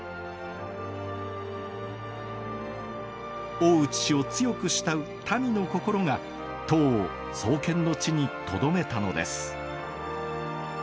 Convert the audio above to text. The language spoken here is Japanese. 大内氏を強く慕う民の心が塔を創建の地にとどめたのです。